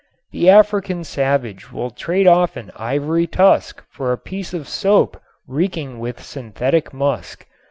The African savage will trade off an ivory tusk for a piece of soap reeking with synthetic musk.